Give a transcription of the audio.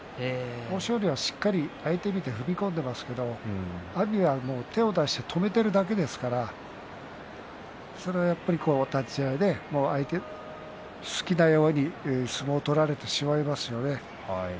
豊昇龍はしっかり相手を見て踏み込んでいますが阿炎は、手を出して止めているだけですからそれはやっぱり立ち合いで好きなように相手に相撲を取られてしまいますね。